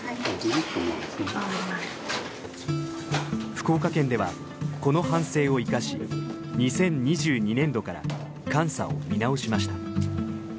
福岡県ではこの反省を生かし２０２２年度から監査を見直しました。